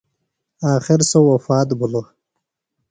آخر سوۡ وفات بھِلوۡ.